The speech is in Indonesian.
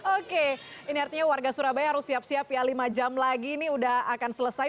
oke ini artinya warga surabaya harus siap siap ya lima jam lagi ini udah akan selesai